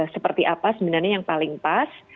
seperti apa sebenarnya yang paling pas